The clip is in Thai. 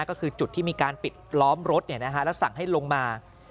ก็คือจุดที่มีการปิดล้อมรถแล้วสั่งให้ลงมา